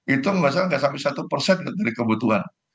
itu memang sampai satu dari kebutuhan